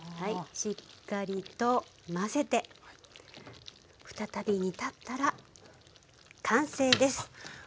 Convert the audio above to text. しっかりと混ぜて再び煮たったら完成です。